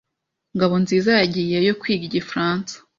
Ngabonziza yagiyeyo kwiga igifaransa.